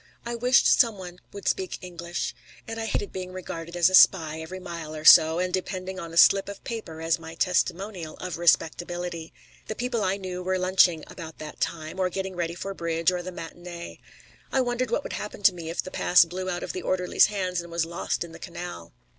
I wished some one would speak English. And I hated being regarded as a spy every mile or so, and depending on a slip of paper as my testimonial of respectability. The people I knew were lunching about that time, or getting ready for bridge or the matinée. I wondered what would happen to me if the pass blew out of the orderly's hands and was lost in the canal.